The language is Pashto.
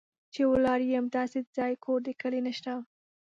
چې ولاړ یم داسې ځای، کور د کلي نه شته